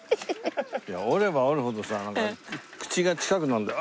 いや折れば折るほどさなんか口が近くなるんだよ。